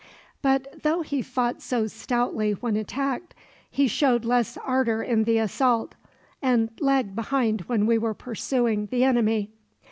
"But though he fought so stoutly when attacked, he showed less ardor in the assault, and lagged behind when we were pursuing the enemy."